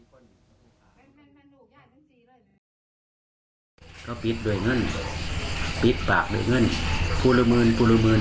ว่าวเลยบ่ตกหายพูดเลย